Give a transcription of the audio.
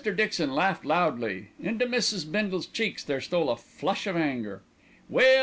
Dixon laughed loudly; into Mrs. Bindle's cheeks there stole a flush of anger. "Well!"